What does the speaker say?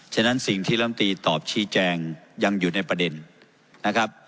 ฉะนั้นสิ่งที่ลำตีตอบชี้แจงยังอยู่ในประเด็นนะครับ